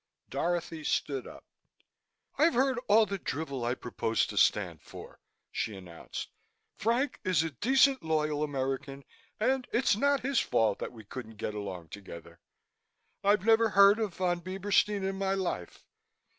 Dorothy stood up. "I've heard all the drivel I propose to stand for," she announced. "Frank is a decent, loyal American and it's not his fault that we couldn't get along together. I've never heard of Von Bieberstein in my life.